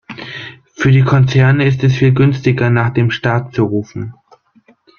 Für die Konzerne ist es viel günstiger, nach dem Staat zu rufen.